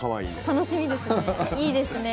楽しみですね。